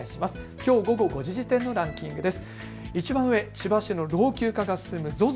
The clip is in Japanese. きょう午後５時時点のランキングです。